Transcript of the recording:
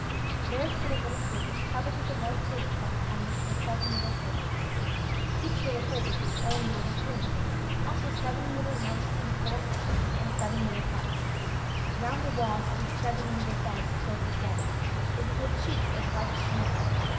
There stood a little table, covered with a white tablecloth, on which were seven little plates (each little plate with its own little spoon) also seven little knives and forks, and seven little cups. Round the walls stood seven little beds close together, with sheets as white as snow.